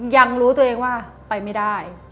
ยังรู้ตัวเองว่าไปไม่ได้